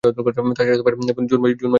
তার চাচাতো বোন জুন মাসে জন্মগ্রহণ করে।